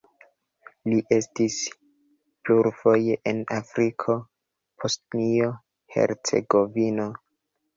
Li estis plurfoje en Afriko, Bosnio-Hercegovino.